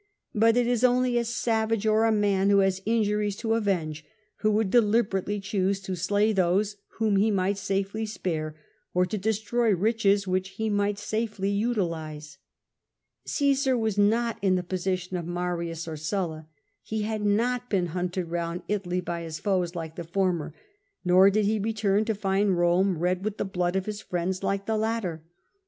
But it is only a savage, or a man who has injuries to avenge, who would deliber ately choose to slay those whom he might safely spare, or to destroy riches which he might safely utilise, Cmsar was not in the position of Marius or Sulla ; he had not been hunted round Italy by his foes like the former, nor did he return to find Rome red with the blood of his friends like the latter.